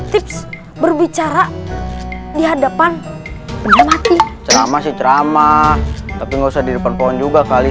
tips berbicara di hadapan mati ceramah sih ceramah tapi nggak usah di depan pohon juga kali